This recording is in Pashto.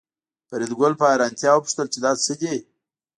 فریدګل په حیرانتیا وپوښتل چې دا څه دي